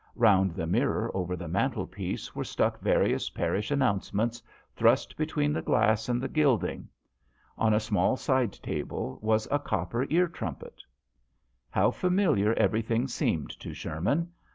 Round the mirror over the mantlepiece were stuck various parish announcements, thrust between the glass and the gilding. On a small side table was a copper ear trumpet. How familiar everything seemed to Sherman.